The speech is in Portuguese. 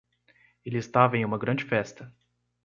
Ele estava em uma grande festa.